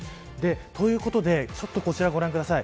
ということでこちらをご覧ください。